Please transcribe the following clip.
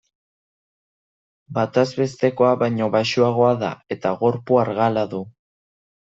Batezbestekoa baino baxuagoa da eta gorpu argala du.